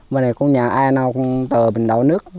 bữa nay nhà ai nào cũng tờ mình đào nước